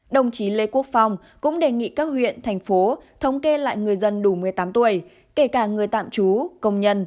đồng chí lê quốc phong cũng đề nghị các huyện thành phố thống kê lại người dân đủ một mươi tám tuổi kể cả người tạm trú công nhân